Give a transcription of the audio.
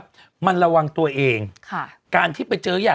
คุณผู้ชมขายังจริงท่านออกมาบอกว่า